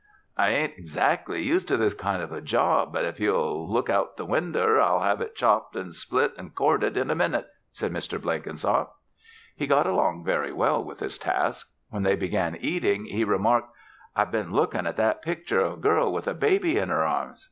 "I ain't eggzac'ly used to this kind of a job, but if you'll look out o' the winder, I'll have it chopped an' split an' corded in a minute," said Mr. Blenkinsop. He got along very well with his task. When they began eating he remarked, "I've been lookin' at that pictur' of a girl with a baby in her arms.